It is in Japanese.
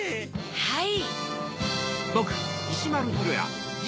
はい。